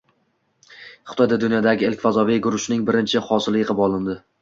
Xitoyda dunyodagi ilk “fazoviy guruch”ning birinchi hosili yig‘ib olindi